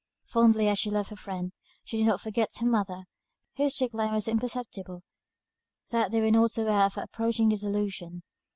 Fondly as she loved her friend, she did not forget her mother, whose decline was so imperceptible, that they were not aware of her approaching dissolution.